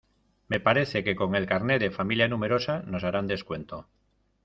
Me parece que con el carné de familia numerosa nos harán descuento.